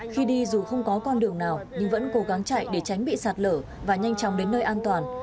khi đi dù không có con đường nào nhưng vẫn cố gắng chạy để tránh bị sạt lở và nhanh chóng đến nơi an toàn